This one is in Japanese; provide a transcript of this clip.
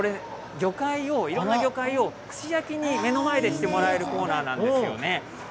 魚介をいろんな魚介を串焼きに目の前でしてもらえるコーナーなんですね。